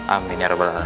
amin ya rabbal allah